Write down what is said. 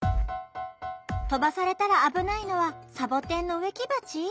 とばされたらあぶないのはサボテンのうえきばち？